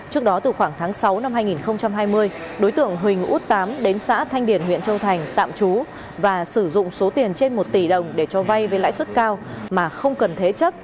trước đó từ khoảng tháng sáu năm hai nghìn hai mươi đối tượng huỳnh út tám đến xã thanh điển huyện châu thành tạm trú và sử dụng số tiền trên một tỷ đồng để cho vay với lãi suất cao mà không cần thế chấp